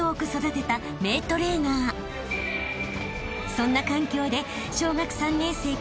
［そんな環境で］